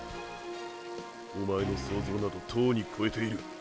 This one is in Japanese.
おまえの想像などとうに超えている。